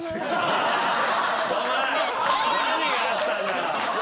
お前何があったんだよ？